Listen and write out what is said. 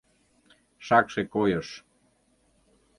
Шакше койыш...